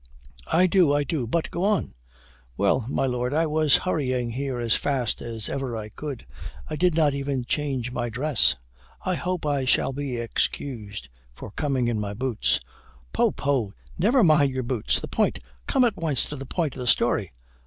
"I do, I do but go on." "Well, my Lord, I was hurrying here as fast as ever I could I did not even change my dress I hope I shall be excused for coming in my boots?" "Poh, poh never mind your boots: the point come at once to the point of the story."